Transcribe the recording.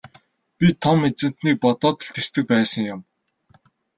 Би Том эзэнтнийг бодоод л тэсдэг байсан юм.